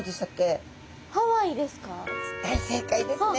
大正解ですね。